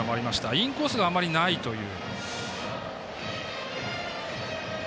インコースがあまりないという。